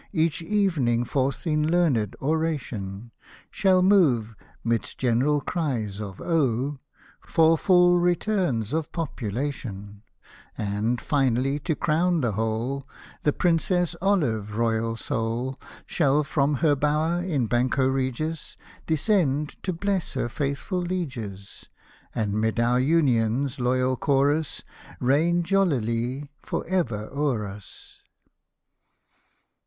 Each evening, forth in learned oration ; Shall move (midst general cries of *' Oh !") For full returns of population : And, finally, to crown the whole, The Princess Olive, Royal soul, Shall from her bower in Banco Regis, Descend, to bless her faithful lieges, And, 'mid our Unions' loyal chorus, Reign joUily for ever o'er us.